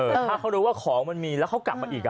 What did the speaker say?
ถ้าเขารู้ว่าของมันมีแล้วเขากลับมาอีก